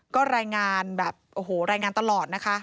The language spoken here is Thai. ก็รายงานแบบโอ้โหรายงานตลอดนะคะ